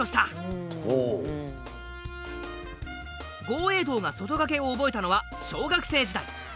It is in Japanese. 豪栄道が外掛けを覚えたのは小学生時代。